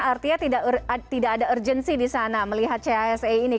artinya tidak ada urgency di sana melihat cisi ini